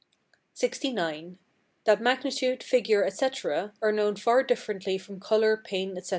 LXIX. That magnitude, figure, etc., are known far differently from colour, pain, etc.